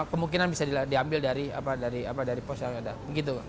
kemungkinan bisa diambil dari pos yang ada